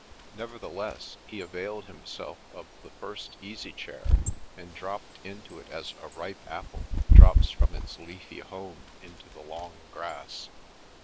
Nev ertheless, he availed himself of the first easy chair, and dropped into it as a ripe apple drops from its leafy home into the long grass.